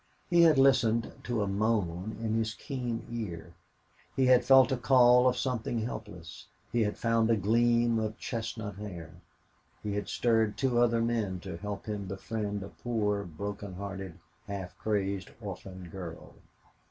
He had listened to a moan in his keen ear; he had felt a call of something helpless; he had found a gleam of chestnut hair; he had stirred two other men to help him befriend a poor, broken hearted, half crazed orphan girl.